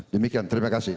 demikian terima kasih